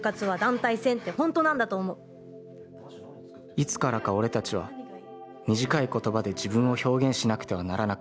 「いつからか俺たちは短い言葉で自分を表現しなくてはならなくなった。